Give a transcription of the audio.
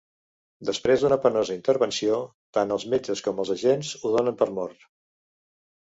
Després d'una penosa intervenció, tant els metges com els agents ho donen per mort.